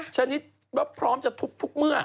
ชันนี้พร้อมจะธุบทุกเมื่อ